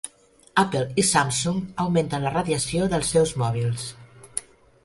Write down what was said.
Apple i Samsung augmenten la radiació dels seus mòbils